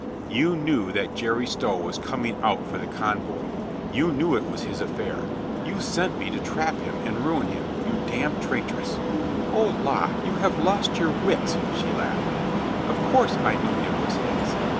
"You knew that Jerry Stow was coming out for the convoy. You knew it was his affair. You sent me to trap him and ruin him, you damned traitress !" "O, la, you have lost your wits," she laughed. "Of course I knew it was his.